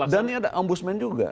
dan ini ada ombudsman juga